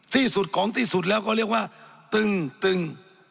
ที่สุดของที่สุดแล้วก็เรียกว่าตึงตึง